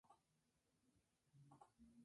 De su unión resultaron seis hijos y once nietos.